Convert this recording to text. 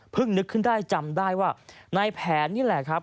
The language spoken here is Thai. นึกขึ้นได้จำได้ว่าในแผนนี่แหละครับ